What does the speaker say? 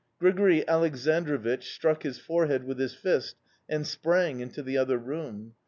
"Grigori Aleksandrovich struck his forehead with his fist and sprang into the other room.